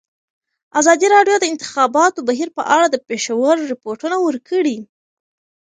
ازادي راډیو د د انتخاباتو بهیر په اړه د پېښو رپوټونه ورکړي.